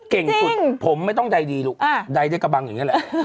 เก่งสุดผมไม่ต้องใดดีลูกใดได้กระบังอย่างนี้แหละ